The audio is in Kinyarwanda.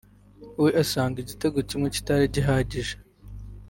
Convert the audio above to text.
we asanga igitego kimwe kitari gihagije